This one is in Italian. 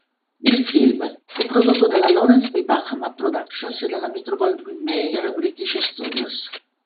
Il film fu prodotto dalla Lawrence P. Bachmann Productions e dalla Metro-Goldwyn-Mayer British Studios.